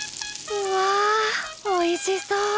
うわおいしそう。